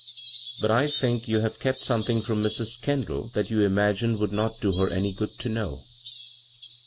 " But I think you have kept something from Mrs. Kendall that you imagine would not do her any good to know."